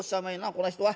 この人は。